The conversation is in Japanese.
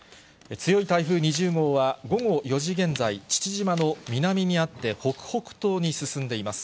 強い台風２０号は、午後４時現在、父島の南にあって北北東に進んでいます。